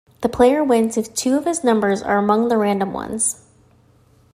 The player wins if two of his numbers are among the random ones.